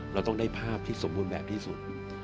เราต้องได้ภาพที่สมบูรณ์แบบที่สุด